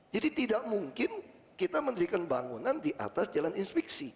jadi tidak mungkin kita menerikan bangunan di atas jalan inspeksi